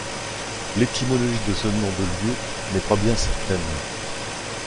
L'étymologie de ce nom de lieu n'est pas bien certaine.